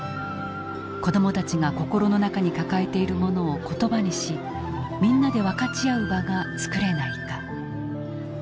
子どもたちが心の中に抱えているものを言葉にしみんなで分かち合う場が作れないか。